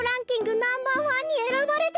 ナンバーワンにえらばれてたわ。